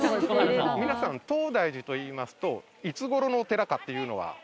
皆さん東大寺といいますといつ頃の寺かっていうのは？